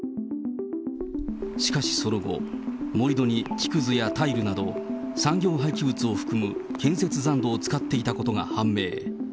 しかしその後、盛り土に木くずやタイルなど、産業廃棄物を含む建設残土を使っていたことが判明。